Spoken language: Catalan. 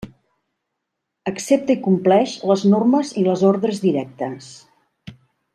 Accepta i compleix les normes i les ordres directes.